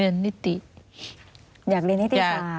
เรียนนิติ